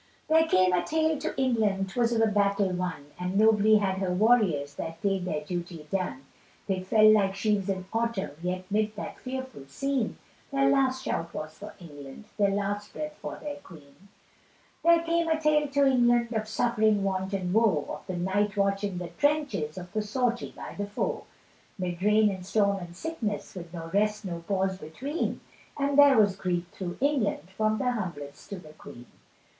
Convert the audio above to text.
There came a tale to England, 'Twas of a battle won, And nobly had her warriors That day their duty done; They fell like sheaves in autumn, Yet 'mid that fearful scene, Their last shout was for England, Their last breath for their queen. There came a tale to England, Of suffering, want, and woe, Of the night watch in the trenches, Of the sortie by the foe; 'Mid rain, and storm, and sickness, With no rest, no pause between, And there was grief through England, From the humblest to the Queen.